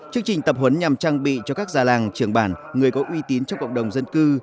chương trình tập huấn nhằm trang bị cho các già làng trưởng bản người có uy tín trong cộng đồng dân cư